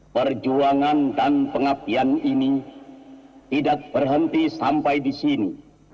perjuangan dan pengabdian ini tidak berhenti sampai di sini